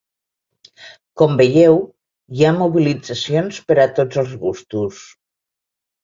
Com veieu hi ha mobilitzacions per a tots els gustos!